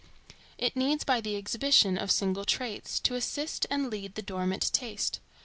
It needs, by the exhibition of single traits, to assist and lead the dormant taste.